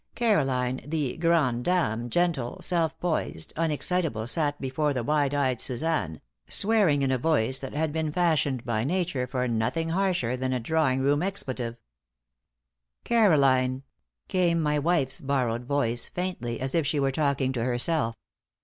Caroline, the grand dame, gentle, self poised, unexcitable, sat before the wide eyed Suzanne, swearing in a voice that had been fashioned by nature for nothing harsher than a drawing room expletive. "Caroline," came my wife's borrowed voice, faintly, as if she were talking to herself.